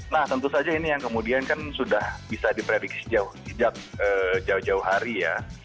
nah tentu saja ini yang kemudian kan sudah bisa diprediksi sejak jauh jauh hari ya